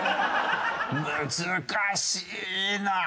難しいな。